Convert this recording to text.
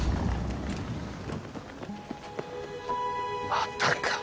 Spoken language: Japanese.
またか！